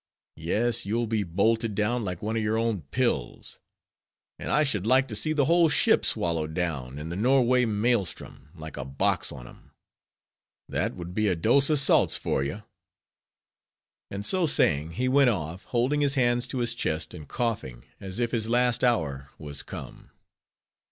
Yes, you'll be bolted down like one of your own pills: and I should like to see the whole ship swallowed down in the Norway maelstrom, like a box on 'em. That would be a dose of salts for ye!" And so saying, he went off, holding his hands to his chest, and coughing, as if his last hour was come.